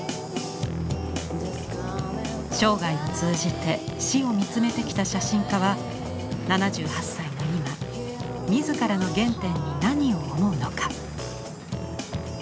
生涯を通じて死を見つめてきた写真家は７８歳の今自らの原点に何を思うのか。